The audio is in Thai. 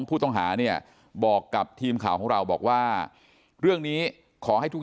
ผู้ต้องหาเนี่ยบอกกับทีมข่าวของเราบอกว่าเรื่องนี้ขอให้ทุก